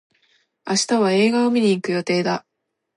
明日は映画を観に行く予定だ。